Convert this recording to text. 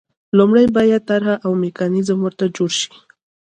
لومړی باید طرح او میکانیزم ورته جوړ شي.